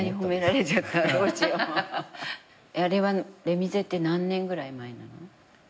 『レミゼ』って何年ぐらい前なの？